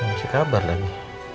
gak masih kabar lagi